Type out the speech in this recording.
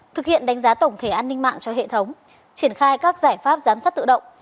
thực hiện đánh giá tổng thể an ninh mạng cho hệ thống triển khai các giải pháp giám sát tự động